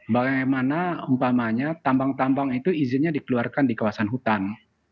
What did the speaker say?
bagaimana umpamanya tambang tambang itu izinnya dikeluarkan di kawasan hutan